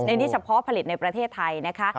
อันนี้เฉพาะผลิตในประเทศไทยนะคะ